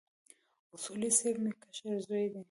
اصولي صیب مې کشر زوی دی.